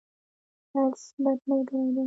حرص، بد ملګری دی.